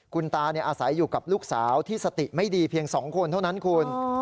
คุณตาอาศัยอยู่กับลูกสาวที่สติไม่ดีเพียง๒คนเท่านั้นคุณ